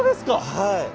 はい。